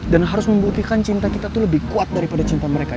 harus membuktikan cinta kita itu lebih kuat daripada cinta mereka